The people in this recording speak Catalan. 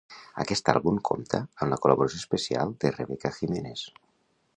Aquest àlbum compta amb la col·laboració especial de Rebeca Jiménez.